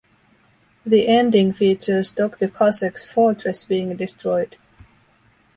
The ending features Doctor Cossack's fortress being destroyed.